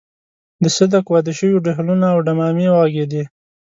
د صدک واده شو ډهلونه او ډمامې وغږېدې.